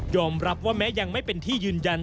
รับว่าแม้ยังไม่เป็นที่ยืนยัน